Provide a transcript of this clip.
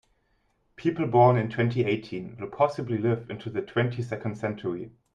People born in twenty-eighteen will possibly live into the twenty-second century.